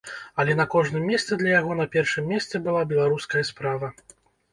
Але на кожным месцы для яго на першым месцы была беларуская справа.